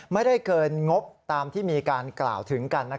ไม่ได้เกินงบตามที่มีการกล่าวถึงกัน